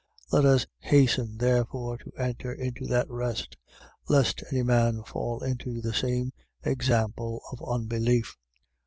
4:11. Let us hasten therefore to enter into that rest: lest any man fall into the same example of unbelief.